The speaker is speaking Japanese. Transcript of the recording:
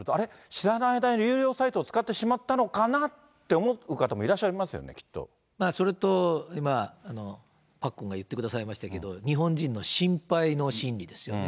知らない間に有料サイト使ってしまったのかなって思う方もいらっそれと今、パックンが言ってくださいましたけど、日本人の心配の心理ですよね。